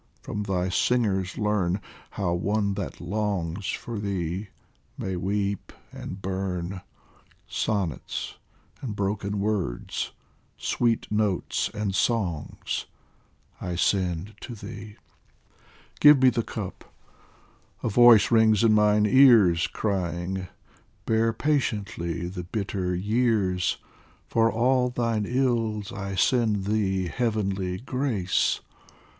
From thy singers learn How one that longs for thee may weep and burn ; Sonnets and broken words, sweet notes and songs I send to thee. Give me the cup ! a voice rings in mine ears Crying :" Bear patiently the bitter years ! For all thine ills, I send thee heavenly grace.